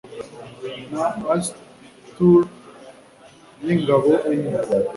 Na Astur yingabo enye